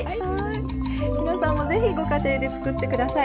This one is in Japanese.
皆さんもぜひご家庭で作ってください。